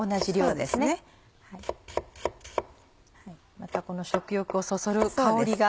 またこの食欲をそそる香りが。